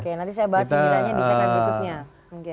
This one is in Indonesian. oke nanti saya bahas sindirannya desain dan butuhnya